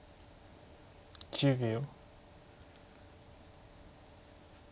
１０秒。